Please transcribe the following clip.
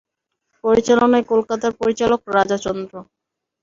পরিচালনায় কলকাতার পরিচালক রাজা চন্দ।